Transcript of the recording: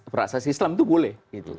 berasas islam itu boleh